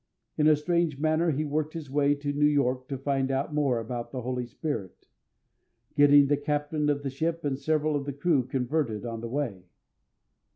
In a strange manner he worked his way to New York to find out more about the Holy Spirit, getting the captain of the ship and several of the crew converted on the way.